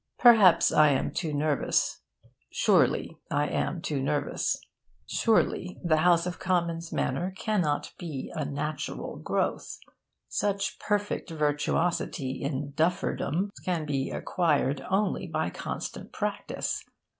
Perhaps I am too nervous. Surely I am too nervous. Surely the House of Commons manner cannot be a natural growth. Such perfect virtuosity in dufferdom can be acquired only by constant practice.